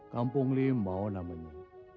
kampung limau namanya